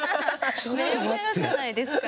メロメロじゃないですか。